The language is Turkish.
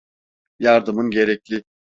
Yardımın gerekli.